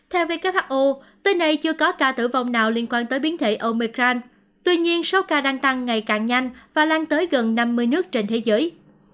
theo who tới nay chưa có ca tử vong nào liên quan tới biến thể omecran tuy nhiên số ca đang tăng ngày càng nhanh và lan tới gần năm mươi nước trên thế giới